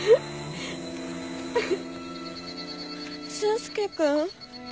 俊介君